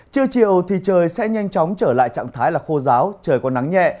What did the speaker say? trưa chiều thì trời sẽ nhanh chóng trở lại trạng thái là khô giáo trời có nắng nhẹ